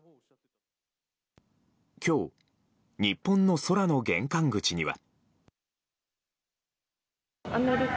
今日、日本の空の玄関口には。